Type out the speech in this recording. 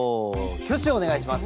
挙手をお願いします！